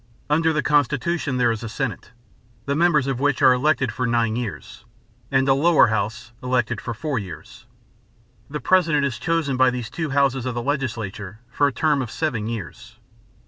Under the constitution there is a senate, the members of which are elected for nine years, and a lower house, elected for four years. The president is chosen by these two houses of the legislature for a term of seven years.